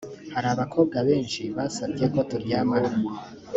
hari abakobwa benshi bansabye ko turyamana